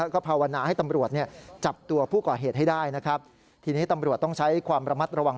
ก็ภาวนาให้ตำรวจเนี่ยจับตัวผู้ก่อเหตุให้ได้นะครับทีนี้ตำรวจต้องใช้ความระมัดระวัง